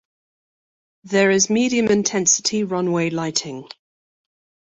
There is medium intensity runway lighting.